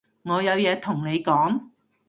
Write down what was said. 我有嘢同你講